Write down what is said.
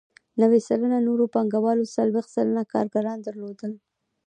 نوي سلنه نورو پانګوالو څلوېښت سلنه کارګران درلودل